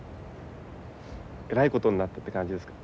えらいことになったって感じですか？